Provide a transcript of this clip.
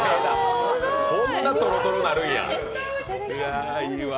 こんなとろとろなるんや。